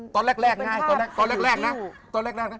ตอนแรกง่ายตอนแรกนะ